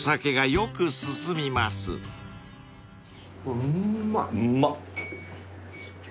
うまっ。